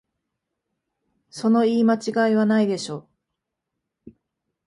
その言い間違いはないでしょ